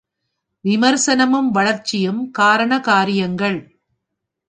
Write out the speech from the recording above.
விமர்சனமும் வளர்ச்சியும் காரண காரியங்கள்.